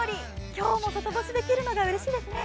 今日も外干しできるのがうれしいですね。